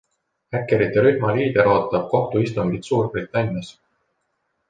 Häkkerite rühma liider ootab kohtuistungit Suurbritannias.